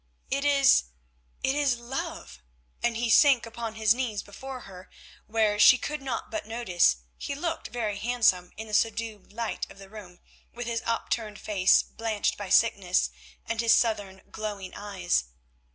"It is—it is—love!" and he sank upon his knees before her, where, she could not but notice, he looked very handsome in the subdued light of the room, with his upturned face blanched by sickness, and his southern glowing eyes.